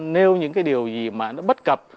nêu những cái điều gì mà nó bất cập